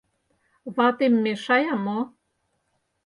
Ватем мешая мо?..